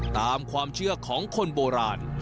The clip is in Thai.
ตามความเชื่อของคนโบราณ